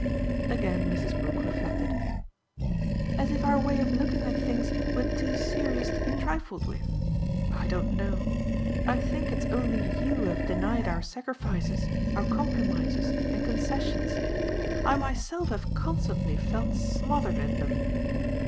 Again Mrs. Brook reflected. "As if our way of looking at things were too serious to be trifled with? I don't know I think it's only you who have denied our sacrifices, our compromises and concessions. I myself have constantly felt smothered in them.